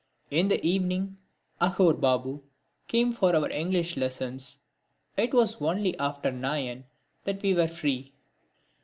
In the evening Aghore Babu came for our English lessons. It was only after nine that we were free.